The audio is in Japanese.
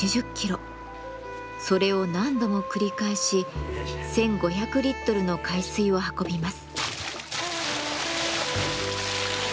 それを何度も繰り返し１，５００リットルの海水を運びます。